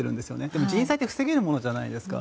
でも、人災って防げるものじゃないですか。